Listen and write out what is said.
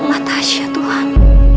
kekuatkanlah tasya tuhan